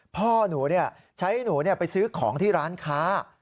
พ่อหนูใช้หนูไปซื้อของที่ร้านค้า